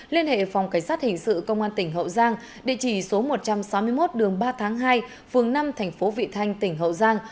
liên hệ phòng cảnh sát hình sự công an tỉnh hậu giang địa chỉ số một trăm sáu mươi một đường ba tháng hai phường năm thành phố vị thanh tỉnh hậu giang